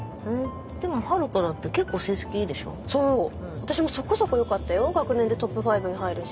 私もそこそこ良かったよ学年でトップ５に入るし。